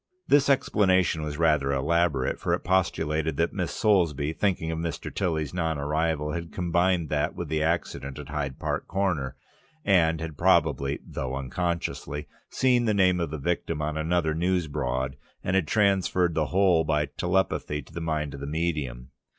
This explanation was rather elaborate, for it postulated that Miss Soulsby, thinking of Mr. Tilly's non arrival, had combined that with the accident at Hyde Park Corner, and had probably (though unconsciously) seen the name of the victim on another news board and had transferred the whole by telepathy to the mind of the medium.